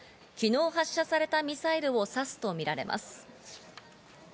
昨日、発射されたミサイルを指すとみられます。